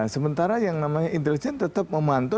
sementara yang namanya intelijen tetap memantau